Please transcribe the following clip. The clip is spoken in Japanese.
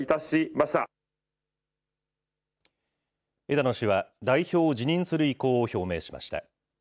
枝野氏は、代表を辞任する意向を表明しました。